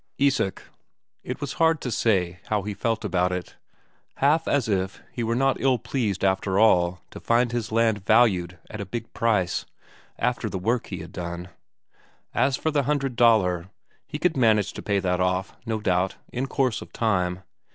Isak it was hard to say how he felt about it. Half as if he were not ill pleased after all to find his land valued at a big price, after the work he had done. As for the hundred Daler, he could manage to pay that off, no doubt, in course of time.